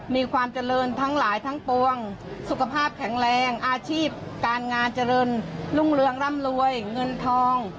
มีความเจริญทั้งหลายทั้งปวงสุขภาพแข็งแรงอาชีพการงานเจริญรุ่งเรืองร่ำรวยเงินทอง